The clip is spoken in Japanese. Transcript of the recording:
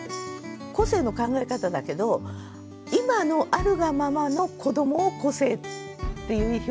個性の考え方だけど今のあるがままの子どもを個性っていう表現もあると思うんですよね。